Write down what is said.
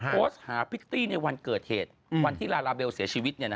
โพสต์หาพฤติในวันเกิดเหตุวันที่ลาลาเบลเสียชีวิตเนี่ยนะฮะ